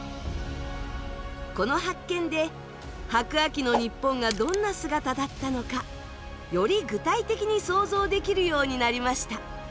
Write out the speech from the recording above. この発見で白亜紀の日本がどんな姿だったのかより具体的に想像できるようになりました。